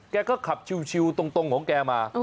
แกก็ขับชิวตรงของแกมา